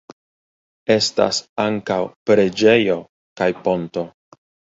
Estas ankaŭ preĝejo kaj ponto.